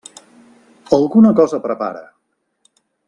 Alguna cosa prepara.